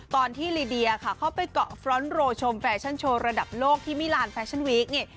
ตอนที่ลีเดียค่ะเขาไปเกาะฟรอนดโรชมแฟชั่นโชว์ระดับโลกที่มิลานแฟชั่นวีคเนี่ย